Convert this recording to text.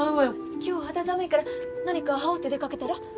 今日肌寒いから何か羽織って出かけたら。